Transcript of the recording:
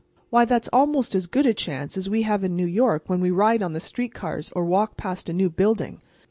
Why, that's almost as good a chance as we have in New York when we ride on the street cars or walk past a new building.